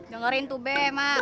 dengerin tuh be mak